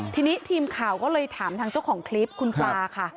ทีนี้ทีมข่าวก็เลยถามทางเจ้าของคลิปคุณปลาค่ะ